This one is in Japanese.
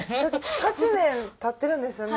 ８年経ってるんですよね？